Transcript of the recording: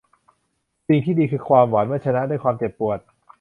สิ่งที่ดีคือความหวานเมื่อชนะด้วยความเจ็บปวด